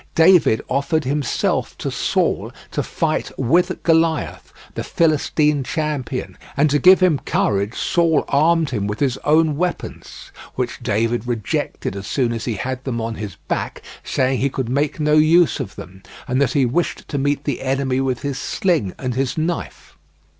David offered himself to Saul to fight with Goliath, the Philistine champion, and, to give him courage, Saul armed him with his own weapons; which David rejected as soon as he had them on his back, saying he could make no use of them, and that he wished to meet the enemy with his sling and his knife.